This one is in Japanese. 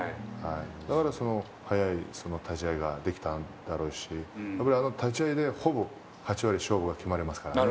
だから、速い立ち合いができたんだろうし、やっぱりあの立ち合いで、ほぼ８割勝負が決まりますからね。